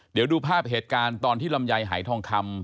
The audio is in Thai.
เดี๋ยวดูภาพเหตุการณ์ตอนที่ลำไยหายทองคำ